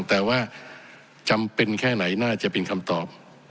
แต่ว่าจำเป็นแค่ไหนน่าจะเป็นคำตอบ